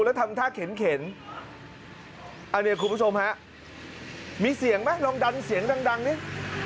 แล้วทำท่าเข็นอันนี้คุณผู้ชมฮะมีเสียงไหมลองดันเสียงดังนิด